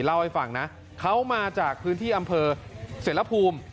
เล่าให้ฟังนะเขามาจากพื้นที่อำเภอเสรภูมิ